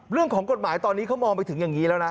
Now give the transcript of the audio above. เรื่องของกฎหมายตอนนี้เขามองไปถึงอย่างนี้แล้วนะ